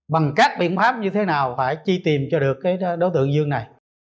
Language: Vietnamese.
bằng các biện pháp như thế nào phải chi tìm cho được cái đối tượng dương này